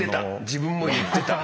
自分も言ってた。